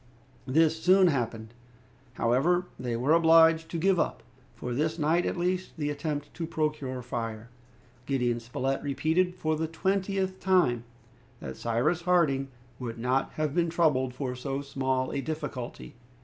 This soon happened. However, they were obliged to give up, for this night at least, the attempt to procure fire. Gideon Spilett repeated, for the twentieth time, that Cyrus Harding would not have been troubled for so small a difficulty.